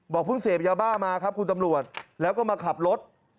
เพิ่งเสพยาบ้ามาครับคุณตำรวจแล้วก็มาขับรถ